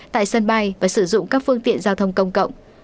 tại sân bay và sử dụng các phương tiện giao thông công cộng